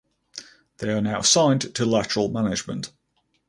They are now signed to Lateral Management.